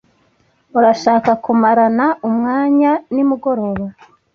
Urashaka kumarana umwanya nimugoroba?